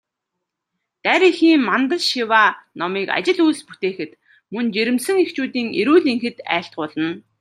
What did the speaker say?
Дарь эхийн мандал шиваа номыг ажил үйлс бүтээхэд, мөн жирэмсэн эхчүүдийн эрүүл энхэд айлтгуулна.